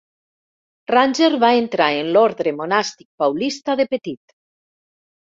Ranger va entrar en l'ordre monàstic paulista de petit.